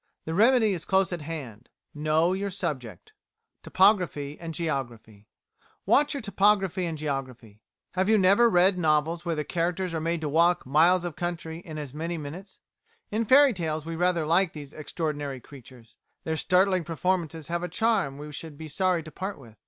The remedy is close at hand: know your subject. Topography and Geography Watch your topography and geography. Have you never read novels where the characters are made to walk miles of country in as many minutes? In fairy tales we rather like these extraordinary creatures their startling performances have a charm we should be sorry to part with.